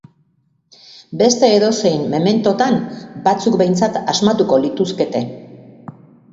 Beste edozein mementotan batzuk behintzat asmatuko lituzkete.